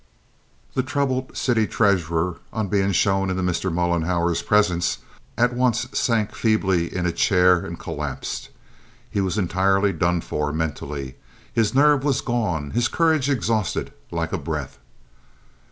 The troubled city treasurer, on being shown in Mr. Mollenhauer's presence, at once sank feebly in a chair and collapsed. He was entirely done for mentally. His nerve was gone, his courage exhausted like a breath.